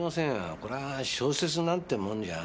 これは小説なんてもんじゃない。